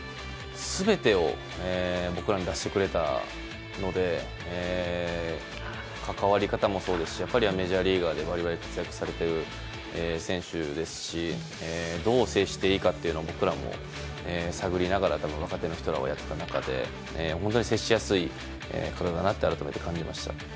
全てを僕らにはしてくれたので関わり方もそうですしメジャーリーガーでバリバリ活躍されている選手ですしどう接していいかというのは僕らも探りながら若手の選手がやっていた中で本当に接しやすい方だなと改めて思いました。